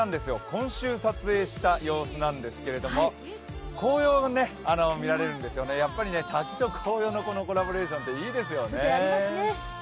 今週撮影した様子なんですけれど紅葉見られるんですよね、やっぱり滝と紅葉のコラボレーションっていいですよね。